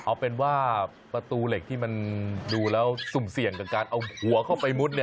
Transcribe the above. เอาเป็นว่าประตูเหล็กที่มันดูแล้วสุ่มเสี่ยงกับการเอาหัวเข้าไปมุด